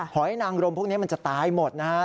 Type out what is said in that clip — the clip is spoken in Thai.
หอยนางรมพวกนี้มันจะตายหมดนะครับ